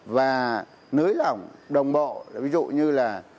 và nới lỏng đồng bộ ví dụ như là